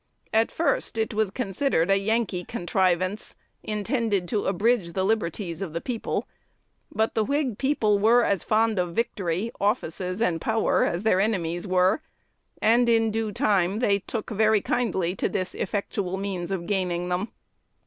At first "it was considered a Yankee contrivance," intended to abridge the liberties of the people; but the Whig "people" were as fond of victory, offices, and power as their enemies were, and in due time they took very kindly to this effectual means of gaining them.